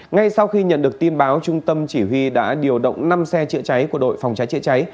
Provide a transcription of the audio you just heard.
ngay sau khi nhận được tin báo trung tâm chỉ huy đã điều động năm xe chữa cháy của đội phòng cháy chữa cháy